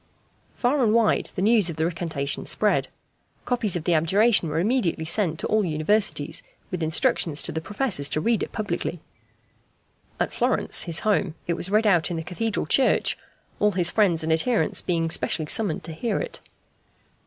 Far and wide the news of the recantation spread. Copies of the abjuration were immediately sent to all Universities, with instructions to the professors to read it publicly. At Florence, his home, it was read out in the Cathedral church, all his friends and adherents being specially summoned to hear it.